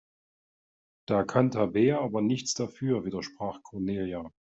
Da kann Tabea aber nichts für, widersprach Cornelia.